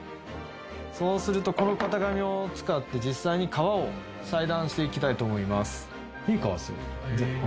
そうするとこの型紙を使って実際に革を裁断していきたいと思います。